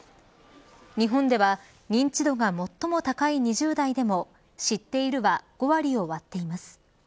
日本では認知度が最も高い２０代でも知っているは５割を割っています。